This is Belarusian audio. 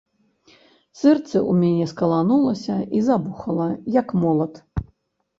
Сэрца ў мяне скаланулася і забухала, як молат.